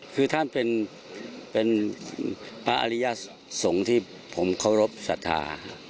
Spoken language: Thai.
คือท่านเป็นพระอริยสงฆ์ที่ผมเคารพสัทธา